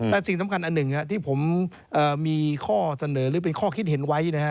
แต่สิ่งสำคัญอันหนึ่งที่ผมมีข้อเสนอหรือเป็นข้อคิดเห็นไว้นะฮะ